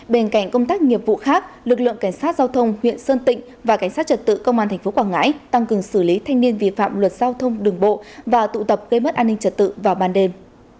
bên cạnh công tác nghiệp vụ khác lực lượng cảnh sát giao thông huyện sơn tịnh và cảnh sát trật tự công an tp quảng ngãi tăng cường xử lý thanh niên vi phạm luật giao thông đường bộ và tụ tập gây mất an ninh trật tự vào ban đêm